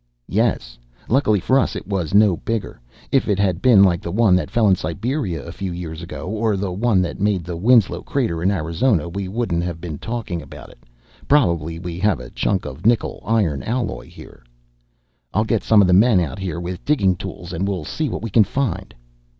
"Yes. Lucky for us it was no bigger. If it had been like the one that fell in Siberia a few years ago, or the one that made the Winslow crater in Arizona we wouldn't have been talking about it. Probably we have a chunk of nickel iron alloy here." "I'll get some of the men out here with digging tools, and we'll see what we can find."